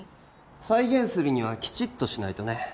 再現するにはきちっとしないとね